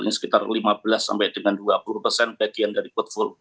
ini sekitar lima belas sampai dengan dua puluh persen bagian dari woodful